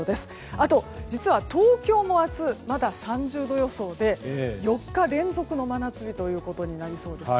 あと、実は東京も明日まだ３０度予想で４日連続の真夏日になりそうです。